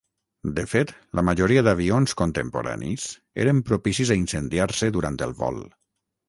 De fet, la majoria d"avions contemporanis eren propicis a incendiar-se durant el vol.